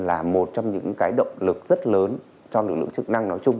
là một trong những cái động lực rất lớn cho lực lượng chức năng nói chung